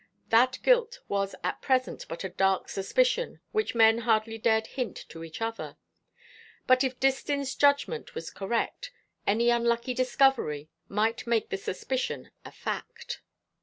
That guilt was at present but a dark suspicion which men hardly dared hint to each other; but if Distin's judgment was correct, any unlucky discovery might make the suspicion a fact.